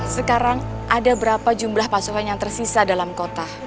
sekarang ada berapa jumlah pasukan yang tersisa dalam kota